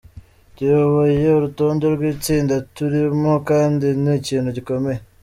Tuyoboye urutonde rw’itsinda turimo kandi ni ikintu gikomeye.